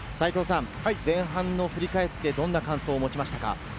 前半を振り返って、どんな感想を持ちましたか？